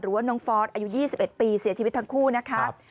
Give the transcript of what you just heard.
ว่าน้องฟอสอายุ๒๑ปีเสียชีวิตทั้งคู่นะครับ